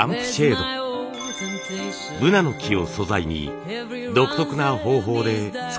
ブナの木を素材に独特な方法で作られています。